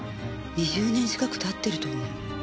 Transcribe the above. ２０年近く経ってると思う。